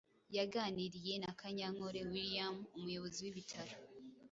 yaganiriye na Kanyankore William Umuyobozi w’Ibitaro